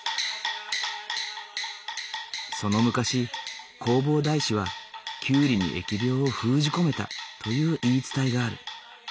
その昔弘法大師はキュウリに疫病を封じ込めたという言い伝えがある。